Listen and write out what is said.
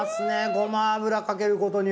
ごま油かけることによって。